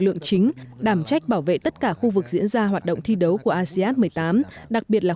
lượng chính đảm trách bảo vệ tất cả khu vực diễn ra hoạt động thi đấu của asean một mươi tám đặc biệt là